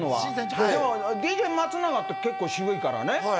ＤＪ松永って結構渋いからね。